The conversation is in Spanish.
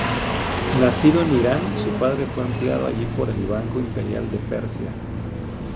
Nacido en Irán, su padre fue empleado allí por el Banco Imperial de Persia.